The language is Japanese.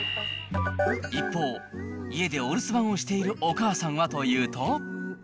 一方、家でお留守番をしているお母さんはというと。